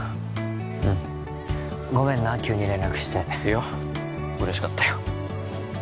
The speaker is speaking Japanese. うんごめんな急に連絡していや嬉しかったよ